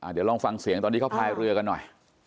เดี๋ยวลองฟังเสียงตอนที่เขาพายเรือกันหน่อย